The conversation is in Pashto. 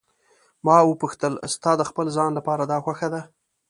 ما وپوښتل: ستا د خپل ځان لپاره دا خوښه ده.